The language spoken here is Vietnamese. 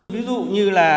ví dụ như là